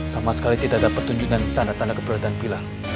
sama sekali tidak dapat tunjukkan tanda tanda keberadaan pilar